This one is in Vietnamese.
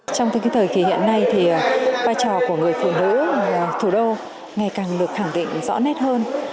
trong tất cả thời kỳ hiện nay vai trò của người phụ nữ thủ đô ngày càng được khẳng định rõ nét hơn